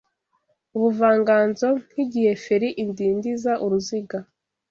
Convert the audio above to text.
Ubuvanganzo, nkigihe feri idindiza uruziga